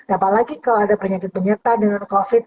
apalagi kalau ada penyakit penyerta dengan covid